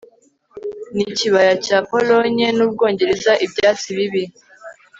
Nikibaya cya Polonye nUbwongereza ibyatsi bibi